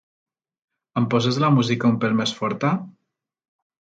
Em poses la música un pèl més forta?